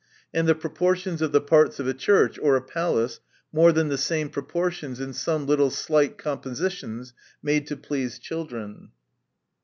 And the proportions of the parts of a church, or a palace, more than the same proportions in some little slight compositions, made to please children.